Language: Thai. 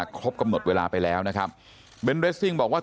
ครบกำหนดเวลาไปแล้วนะครับเบนเรสซิ่งบอกว่า